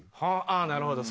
ああなるほど。